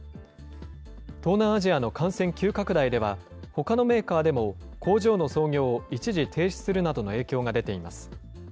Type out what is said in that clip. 東南アジアの感染急拡大では、ほかのメーカーでも工場の操業を一時停止するなどの影響が出ています。